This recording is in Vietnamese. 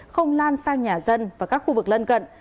không lan sang nhà dân và các khu vực lân cận